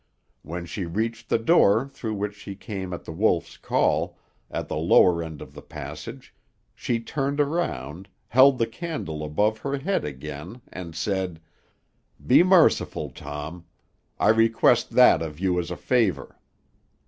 When she reached the door through which she came at The Wolf's call, at the lower end of the passage, she turned around, held the candle above her head again, and said, "'Be merciful, Tom; I request that of you as a favor.